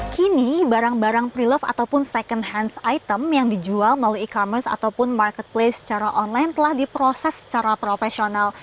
kini barang barang pre love ataupun second hands item yang dijual melalui e commerce ataupun marketplace secara online telah diproses secara profesional